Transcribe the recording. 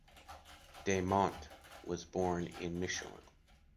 De Monte was born in Mechelen.